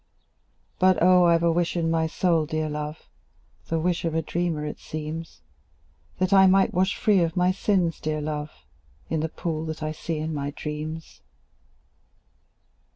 But, oh, I 've a wish in my soul, dear love, (The wish of a dreamer, it seems,) That I might wash free of my sins, dear love, In the pool that I see in my dreams.